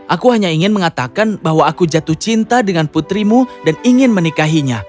aku hanya ingin mengatakan bahwa aku jatuh cinta dengan putrimu dan ingin menikahinya